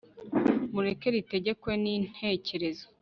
mureke ritegekwe ni ntekerezo